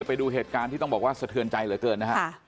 ไปดูเหตุการณ์ที่ต้องบอกว่าสะเทือนใจเหลือเกินนะฮะ